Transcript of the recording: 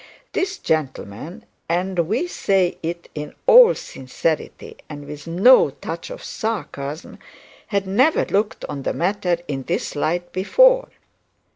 This gentleman and we say it in all sincerity and with no touch of sarcasm had never looked on the matter in this light before.